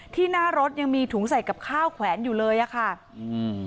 หน้ารถยังมีถุงใส่กับข้าวแขวนอยู่เลยอ่ะค่ะอืม